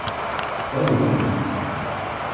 To równość